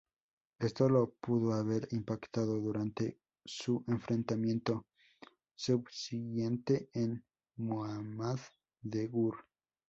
Esto lo pudo haber impactado durante su enfrentamiento subsiguiente con Muhammad de Gur.